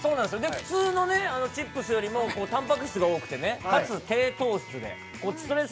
普通のチップスよりもタンパク質が多くてねかつ低糖質でストレス